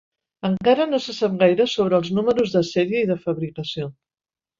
Encara no se sap gaire sobre els números de sèrie i de fabricació